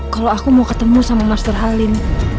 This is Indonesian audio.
kalau aku mau ketemu sama mas terhalim